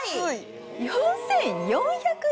４４００円？